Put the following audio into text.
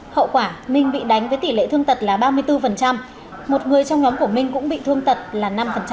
hậu quả minh bị đánh với tỷ lệ thương tật là ba mươi bốn một người trong nhóm của minh cũng bị thương tật là năm